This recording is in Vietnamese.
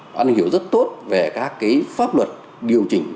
cái an hiểu rất tốt về các cái pháp luật điều chỉnh